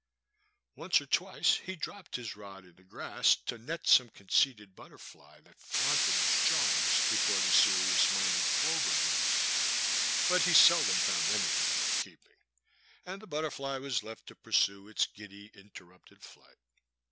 Once or twice he dropped his rod in the grass to net some conceited butterfly that flaunted its charms before the serious minded clover bees, but he seldom found anything worth keeping, and the butterfly was left to pursue its giddy interrupted flight.